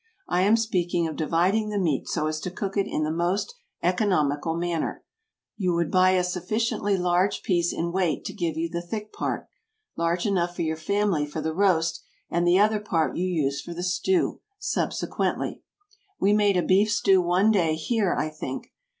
I am speaking of dividing the meat so as to cook it in the most economical manner. You would buy a sufficiently large piece in weight to give you the thick part large enough for your family for the roast, and the other part you use for the stew subsequently. We made a beef stew one day, here, I think.